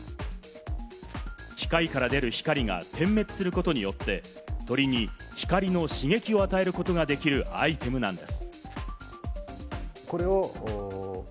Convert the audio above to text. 機械から出る光が点滅することによって、鳥に光の刺激を与えることができるアイテムなんです。